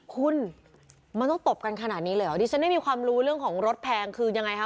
คุณมันต้องตบกันขนาดนี้เลยเหรอดิฉันไม่มีความรู้เรื่องของรถแพงคือยังไงคะ